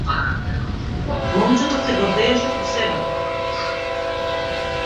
Момчето се гордееше со себе.